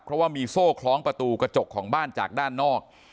เพราะว่ามีโซ่คล้องประตูกระจกของบ้านจากด้านนอก